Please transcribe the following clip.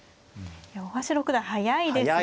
大橋六段速いですね。